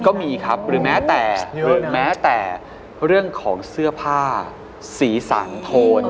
ก็มีครับหรือแม้แต่แม้แต่เรื่องของเสื้อผ้าสีสันโทน